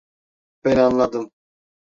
Ben anladım.